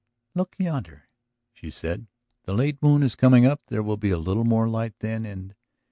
"Look yonder," she said. "The late moon is coming up. There will be a little more light then and.